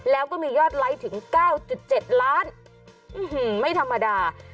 แล้วก็มียอดไลค์ถึง๙๗ล้านไม่ธรรมดา